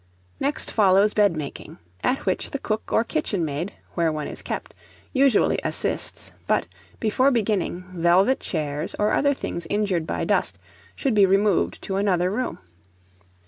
Next follows bedmaking, at which the cook or kitchen maid, where one is kept, usually assists; but, before beginning, velvet chairs, or other things injured by dust, should be removed to another room.